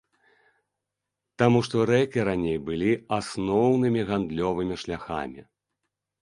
Таму што рэкі раней былі асноўнымі гандлёвымі шляхамі.